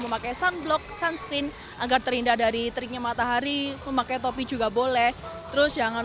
memakai sang blok saksim ini rindadari triknya matahari pemakai topi juga boleh terus jangan